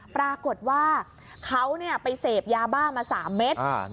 ปรากฏว่าเขาไปเสพยาบ้ามา๓เม็ด